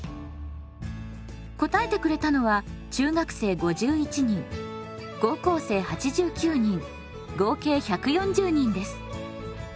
答えてくれたのは中学生５１人高校生８９人合計１４０人です。